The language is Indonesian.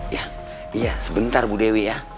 iya iya sebentar bu dewi ya